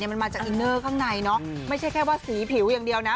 มันมาจากอินเนอร์ข้างในเนอะไม่ใช่แค่ว่าสีผิวอย่างเดียวนะ